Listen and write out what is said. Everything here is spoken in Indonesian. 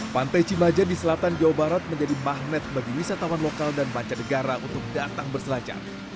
pantai cimaja di selatan jawa barat menjadi magnet bagi wisatawan lokal dan mancanegara untuk datang berselancar